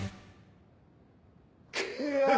いや！